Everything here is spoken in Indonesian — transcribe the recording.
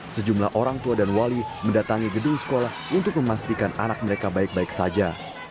sejumlah orang tua dan wali mendatangi gedung sekolah untuk memastikan anak mereka baik baik saja